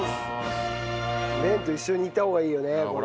麺と一緒にいった方がいいよねこれね。